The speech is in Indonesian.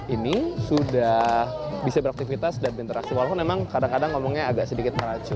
ini sudah bisa beraktivitas dan berinteraksi walaupun memang kadang kadang ngomongnya agak sedikit meracu